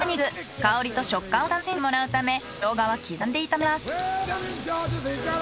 香りと食感を楽しんでもらうため生姜は刻んで炒めます。